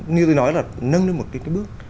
như tôi nói là nâng lên một cái bước